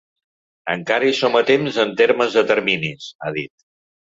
Encara hi som a temps en termes de terminis, ha dit.